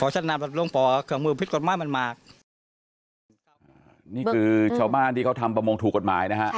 ใช่ค่ะ